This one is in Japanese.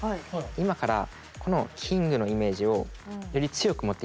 今からこのキングのイメージをより強く持って頂きたいんです。